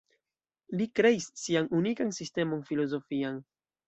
Li kreis sian unikan sistemon filozofian.